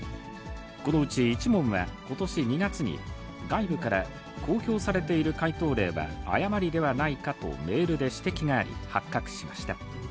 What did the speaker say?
このうち１問はことし２月に外部から公表されている解答例は誤りではないかと、メールで指摘があり、発覚しました。